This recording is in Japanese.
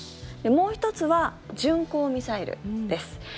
もう１つは、巡航ミサイルです。